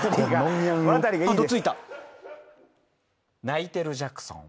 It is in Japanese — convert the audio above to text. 泣いてるジャクソン。